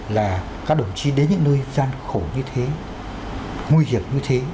là các đồng chí đến những nơi gian khổ như thế nguy hiểm như thế